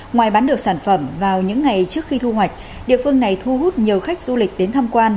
ngoài bán được sản phẩm vào những ngày trước khi thu hoạch địa phương này thu hút nhiều khách du lịch đến tham quan